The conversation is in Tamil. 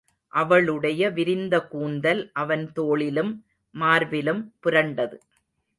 அவளுடைய விரிந்த கூந்தல் அவன் தோளிலும் மார்பிலும் புரண்டது.